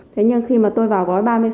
thế nhưng khi mà tôi vào gói ba mươi sáu